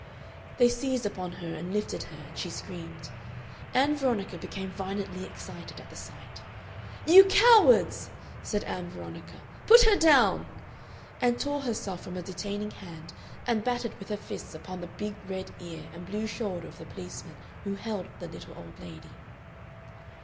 They seized upon her and lifted her, and she screamed. Ann Veronica became violently excited at the sight. "You cowards!" said Ann Veronica, "put her down!" and tore herself from a detaining hand and battered with her fists upon the big red ear and blue shoulder of the policeman who held the little old lady.